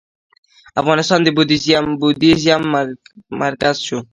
افغانستان د بودیزم مرکز شو